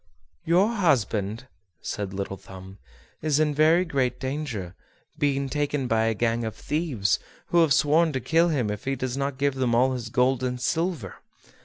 "Your husband," said Little Thumb, "is in very great danger, being taken by a gang of thieves, who have sworn to kill him if he does not give them all his gold and silver.